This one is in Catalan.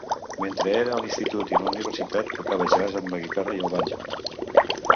Mentre era a l'institut i la universitat, tocava jazz amb la guitarra i el banjo.